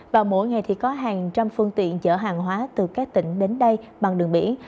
và mỗi ngày thì có hàng trăm phương tiện chở hàng hóa từ các tỉnh đến đây bằng đường biển